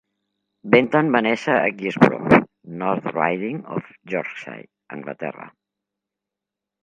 Benton va néixer a Guisborough, North Riding of Yorkshire, Anglaterra.